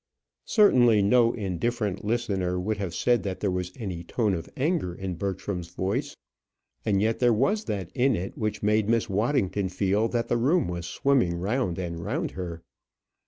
Certainly, no indifferent listener would have said that there was any tone of anger in Bertram's voice; and yet there was that in it which made Miss Waddington feel that the room was swimming round and round her.